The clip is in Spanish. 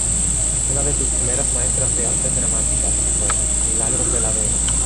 Una de sus primeras maestras de artes dramáticas fue Milagros de la Vega.